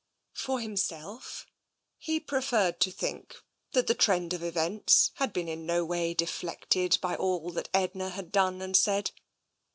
For himself, he preferred to think that the trend of events had been in no way deflected by all that Edna had done and said.